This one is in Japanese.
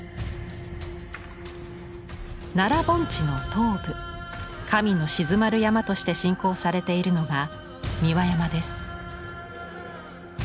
奈良盆地の東部神の鎮まる山として信仰されているのが三輪山です。